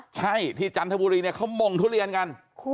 ใช่ที่จันทบุรีเนี่ยเขามงทุเรียนกัน